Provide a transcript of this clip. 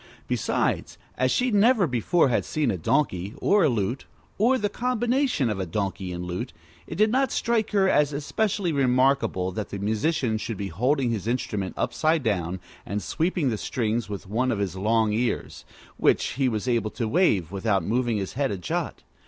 Besides, as she never before had seen a donkey, or a lute, or the combination of donkey and lute, it did not strike her as especially remarkable that the musician should be holding his instrument upside down, and sweeping the strings with one of his long ears, which he was able to wave without moving his head a jot.